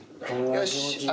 よし。